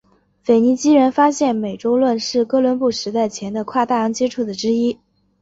腓尼基人发现美洲论是哥伦布时代前的跨大洋接触的之一。